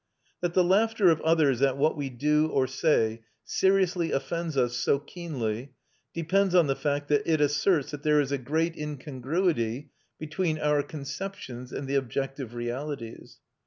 That the laughter of others at what we do or say seriously offends us so keenly depends on the fact that it asserts that there is a great incongruity between our conceptions and the objective realities.